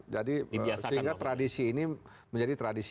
jadi sehingga tradisi ini menjadi tradisi